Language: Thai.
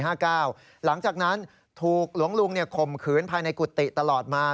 หลังจากนั้นถูกหลวงลุงข่มขืนภายในกุฏิตลอดมา